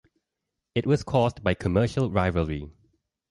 It was caused by commercial rivalry.